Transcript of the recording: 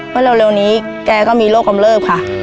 แล้วเร็วนี้แกก็มีโรคกำลังเลิกค่ะ